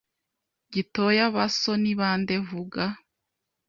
Gitoya Ba so ni bande Vuga